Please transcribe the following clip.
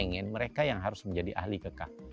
ingin mereka yang harus menjadi ahli kekah